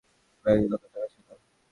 ব্যাগে কত টাকা ছিল?